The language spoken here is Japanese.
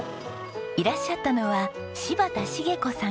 いらっしゃったのは柴田滋子さん。